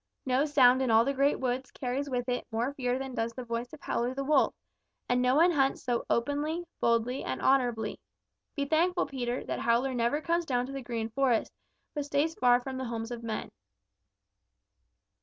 No sound in all the Great Woods carries with it more fear than does the voice of Howler the Wolf, and no one hunts so openly, boldly, and honorably. Be thankful, Peter, that Howler never comes down to the Green Forest, but stays far from the homes of men."